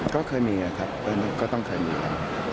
ก็เคยมีครับก็ต้องเคยมีครับ